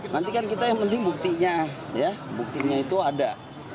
nanti kan kita yang penting buktinya buktinya itu ada